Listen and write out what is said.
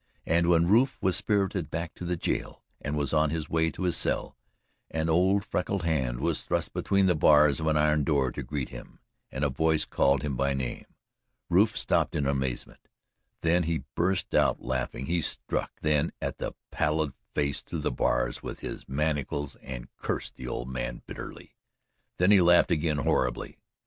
And when Rufe was spirited back to jail and was on his way to his cell, an old freckled hand was thrust between the bars of an iron door to greet him and a voice called him by name. Rufe stopped in amazement; then he burst out laughing; he struck then at the pallid face through the bars with his manacles and cursed the old man bitterly; then he laughed again horribly.